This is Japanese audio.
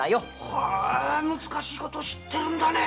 へぇ難しいことを知ってるんだね。